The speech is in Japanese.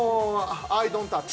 アイ・ドント・タッチ。